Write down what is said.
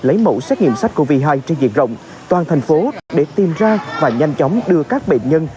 lấy mẫu xét nghiệm sách covid một mươi chín trên diện rộng toàn thành phố để tìm ra và nhanh chóng đưa các bệnh nhân